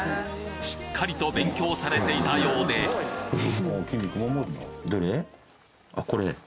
しっかりと勉強されていたようでどれ？